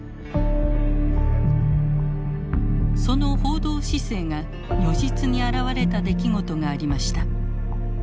その報道姿勢が如実に表れた出来事がありました。